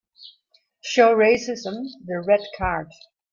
Show Racism the Red Card.